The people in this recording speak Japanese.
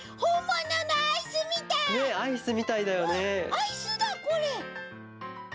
アイスだこれ！